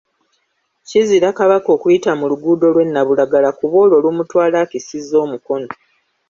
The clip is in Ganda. Kizira Kabaka okuyita mu luguudo lwe Nabulagala kuba olwo lumutwala akisizza omukono.